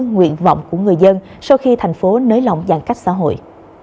nguyện vọng của người dân sau khi thành phố nới lỏng giãn cách xã hội